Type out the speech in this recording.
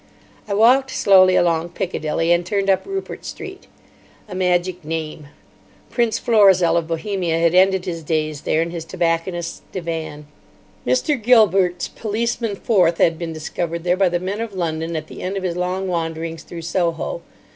I walked slowly along Piccadilly, and turned up Rupert Street. A magic name. Prince Florizel of Bohemia had ended his days there in his tobacconist's divan. Mr. Gilbert's Policeman Forth had been discovered there by the men of London at the end of his long wanderings through Soho.